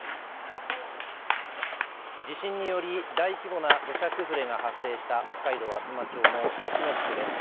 地震により大規模な土砂崩れが発生した北海道厚真町の吉野地区です